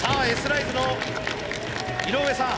ライズの井上さん